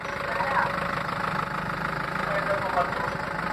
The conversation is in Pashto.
جهاني چي ما یې لار په سترګو فرش کړه!.